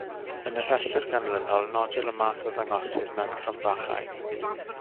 Yn y rhestr ganlynol, nodir y math o ddangosydd mewn cromfachau.